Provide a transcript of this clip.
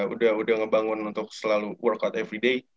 udah udah ngebangun untuk selalu workout everyday